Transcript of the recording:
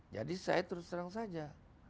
jadi saya terus terang saja